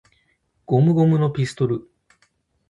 ゴムゴムのピストル!!!